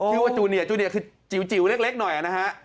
ชื่อว่าจูเนียจูเนียคือจิ๋วเล็กหน่อยนะฮะ